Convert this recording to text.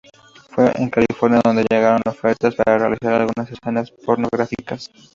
Fue en California donde le llegaron ofertas para realizar algunas escenas pornográficas.